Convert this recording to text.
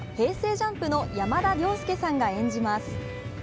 ＪＵＭＰの山田涼介さんが演じます。